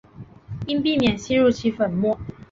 应避免吸入其粉末。